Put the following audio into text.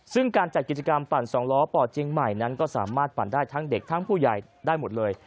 ซึ่งการจัดกิจกรรมปั่นสองล้อป่อเจียงใหม่นั้นก็สามารถปั่นได้ทั้งเด็กทั้งผู้ใหญ่ได้หมดเลย